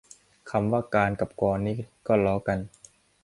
คำว่า "การ" กับ "กร" นี่ก็ล้อกัน